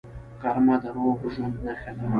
غرمه د روغ ژوند نښه ده